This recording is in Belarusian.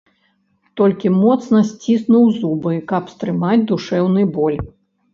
Толькі моцна сціснуў зубы, каб стрымаць душэўны боль.